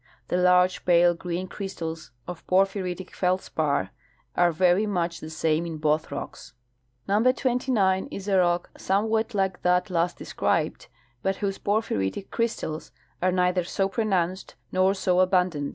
The large pale green crystals of porphyritic feldspar are very much the same in both rocks. Number 29 is a rock somewhat like that last described, but Avhose porphyritic crystals are neither so pronounced nor so abundant.